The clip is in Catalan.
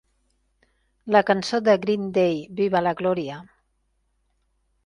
La cançó de Green Day "¡Viva la Gloria!"